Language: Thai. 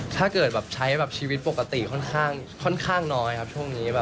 ถ้าเกิดใช้ชีวิตปกติค่อนข้างน้อยครับช่วงนี้